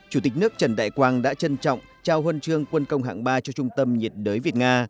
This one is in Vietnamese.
chủ tịch nước trần đại quang đã trân trọng trao huân chương quân công hạng ba cho trung tâm nhiệt đới việt nga